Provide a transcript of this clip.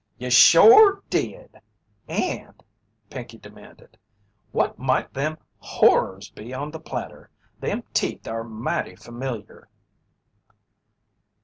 "You shore did! And," Pinkey demanded, "what might them horrors be on the platter? Them teeth are mighty familiar."